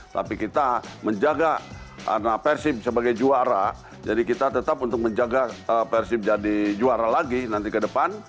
tapi kita menjaga karena persib sebagai juara jadi kita tetap untuk menjaga persib jadi juara lagi nanti ke depan